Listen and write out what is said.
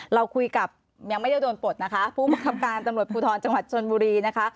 เราคุยกับยังไม่ได้โดนปลดนะคะผู้บังคับการตำรวจภูทรจังหวัดชนบุรีนะคะ